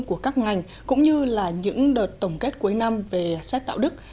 của các ngành cũng như là những đợt tổng kết cuối năm về xét đạo đức